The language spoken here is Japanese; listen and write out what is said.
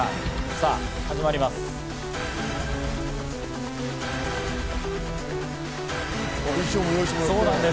さぁ、始まります。